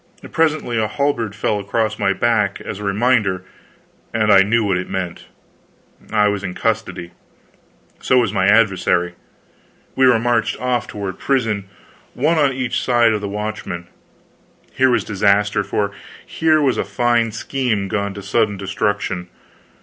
Presently a halberd fell across my back, as a reminder, and I knew what it meant. I was in custody. So was my adversary. We were marched off toward prison, one on each side of the watchman. Here was disaster, here was a fine scheme gone to sudden destruction!